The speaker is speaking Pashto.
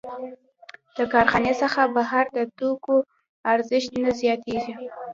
د کارخانې څخه بهر د توکو ارزښت نه زیاتېږي